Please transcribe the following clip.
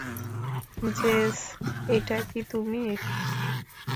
JS, এটা কি তুমি?